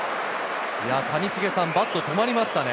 谷繁さん、バットが止まりましたね。